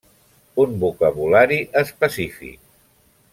Un vocabulari específic.